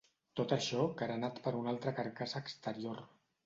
Tot axó carenat per una altra carcassa exterior.